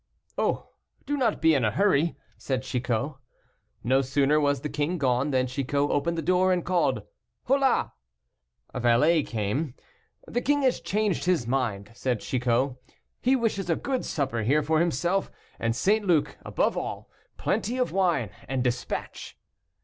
"Oh! do not be in a hurry," said Chicot. No sooner was the king gone, than Chicot opened the door and called "Hola!" A valet came. "The king has changed his mind," said Chicot, "he wishes a good supper here for himself and St. Luc, above all, plenty of wine, and despatch."